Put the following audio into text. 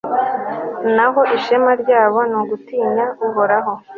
naho ishema ryabo, ni ugutinya uhoraho